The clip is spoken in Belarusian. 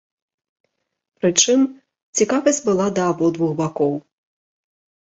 Прычым, цікавасць была да абодвух бакоў.